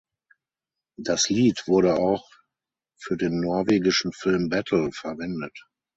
Das Lied wurde auch für den norwegischen Film "Battle" verwendet.